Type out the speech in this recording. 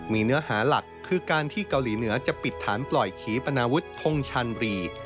มีเนื้อหาหลักคือการที่เกาหลีเหนือจะปิดฐานปล่อยขีปนาวุฒิทงชันรี